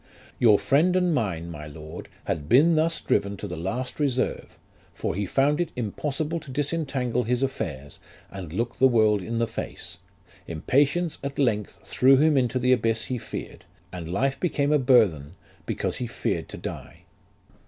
"Your friend and mine, my lord, had been thus driven to the last reserve, for he found it impossible to disentangle his affairs, and look the world in the face ; impatience at length threw him into the abyss he feared, and life became a burthen, because he feared to die.